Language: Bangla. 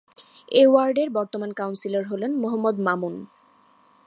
এ ওয়ার্ডের বর্তমান কাউন্সিলর হলেন মো: মামুন।